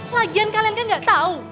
lagian kalian kan gak tau